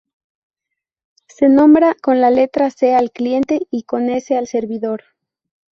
Se nombra con la letra C al cliente y con S al servidor.